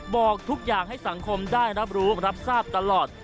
บอกทุกอย่างให้สังคมได้รับรู้รับทราบตลอด